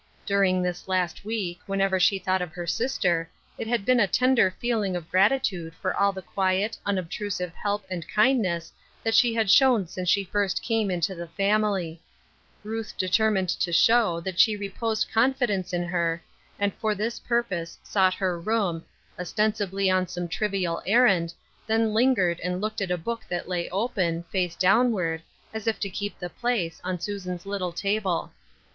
During this last week, whenever she thought of her sis ter, it had been a tender feeling of gratitude for all the quiet, unobtrusive help and kindness that she had shown since she first came into the fam ily, Ruth determined to show that she reposed confidence in her, and for this purpose sought her room, ostensibly on some trivial errand, then lingered and looked at a book that lay open, face downward, as if to keep the place, on Susan's little table.